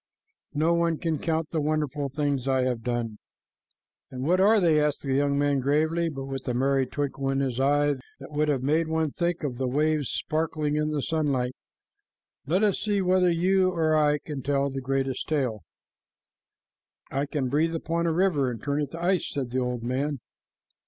No one can count the wonderful things I have done." "And what are they?" asked the young man gravely, but with a merry little twinkle in his eyes that would have made one think of the waves sparkling in the sunlight. "Let us see whether you or I can tell the greatest tale." "I can breathe upon a river and turn it to ice," said the old man.